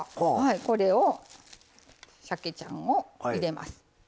これをしゃけちゃんを入れます。